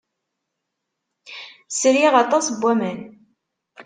Sriɣ aṭas n waman.